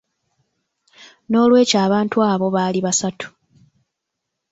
N'olwekyo abantu abo baali basatu.